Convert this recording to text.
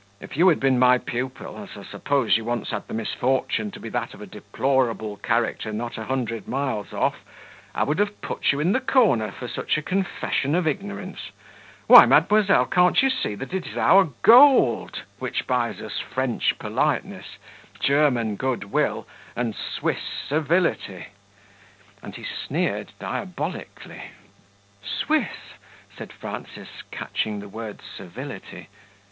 "If you had been my pupil, as I suppose you once had the misfortune to be that of a deplorable character not a hundred miles off, I would have put you in the corner for such a confession of ignorance. Why, mademoiselle, can't you see that it is our GOLD which buys us French politeness, German good will, and Swiss servility?" And he sneered diabolically. "Swiss?" said Frances, catching the word "servility."